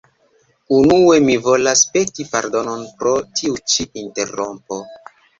Unue mi volas peti pardonon pro tiu ĉi interrompo